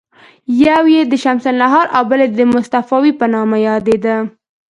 یوه یې د شمس النهار او بله د مصطفاوي په نامه یادېده.